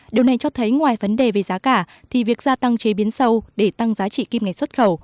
điều này cho thấy ngoài vấn đề về giá cả thì việc gia tăng chế biến sâu để tăng giá trị kim ngạch xuất khẩu